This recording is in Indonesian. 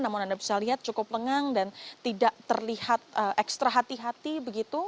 namun anda bisa lihat cukup lengang dan tidak terlihat ekstra hati hati begitu